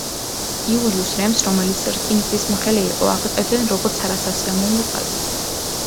იულიუს რემს, რომელიც რკინიგზის მოხელე იყო, აღწერდნენ როგორც „არასასიამოვნო კაცს“.